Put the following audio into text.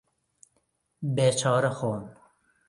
بێچارە خۆم